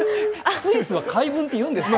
スイスは回文っていうんですか？